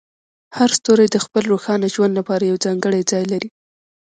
هر ستوری د خپل روښانه ژوند لپاره یو ځانګړی ځای لري.